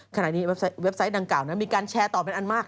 เว็บไซต์ดังกล่านั้นมีการแชร์ต่อเป็นอันมาก